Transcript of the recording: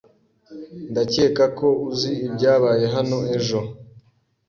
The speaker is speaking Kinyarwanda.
Ndakeka ko uzi ibyabaye hano ejo